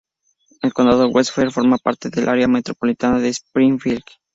El condado de Webster forma parte al Área metropolitana de Springfield.